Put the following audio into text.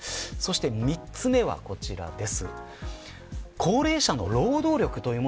３つ目はこちらです。